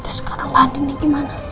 terus sekarang mandi nih gimana